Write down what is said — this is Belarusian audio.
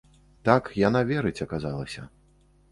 Так, яна верыць, аказалася.